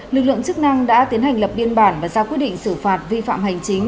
lực lượng chức năng đã tiến hành lập biên bản và ra quyết định xử phạt vi phạm hành chính